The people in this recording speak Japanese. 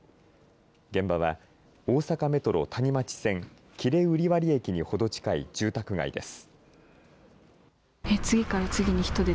現場は大阪メトロ谷町線喜連瓜破駅にほど近い住宅街です。